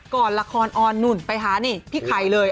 ก่อนละครออนหนุ่มไปฮะนี่ทิไขยเลย